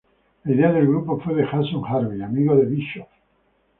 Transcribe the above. La idea del grupo fue de Jason Hervey, amigo de Bischoff.